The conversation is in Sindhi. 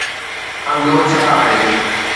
انڌو ڇا آهي؟